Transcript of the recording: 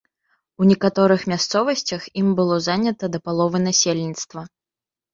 У некаторых мясцовасцях ім было занята да паловы насельніцтва.